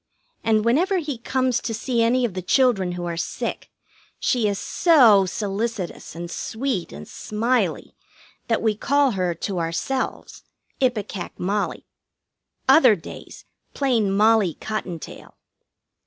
And whenever he comes to see any of the children who are sick she is so solicitous and sweet and smiley that we call her, to ourselves, Ipecac Mollie. Other days, plain Mollie Cottontail.